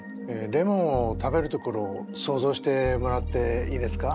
レモンを食べるところを想像してもらっていいですか？